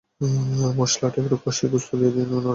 মসলাটা একটু কষিয়ে গোশত দিয়ে দিন এবং নাড়াচাড়া করে ঢেকে দিন।